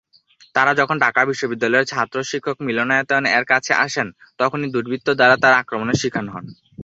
তারা যখন ঢাকা বিশ্ববিদ্যালয়ের ছাত্র শিক্ষক মিলনায়তন এর কাছে আসেন, তখনি দুর্বৃত্ত দ্বারা তারা আক্রমণের স্বীকার হন।